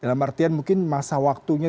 dalam artian mungkin masa waktunya